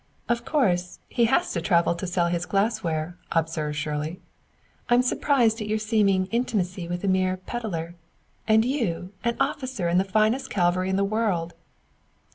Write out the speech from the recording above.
"Of course, he has to travel to sell his glassware," observed Shirley. "I'm surprised at your seeming intimacy with a mere 'peddler,' and you an officer in the finest cavalry in the world."